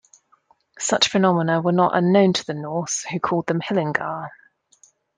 Such phenomena were not unknown to the Norse, who called them "hillingar".